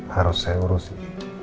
harus saya urusin